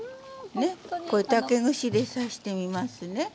ねこれ竹串で刺してみますね。